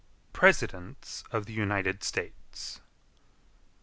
PRESIDENTS OF THE UNITED STATES.